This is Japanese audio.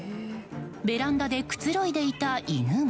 ベランダでくつろいでいた犬も。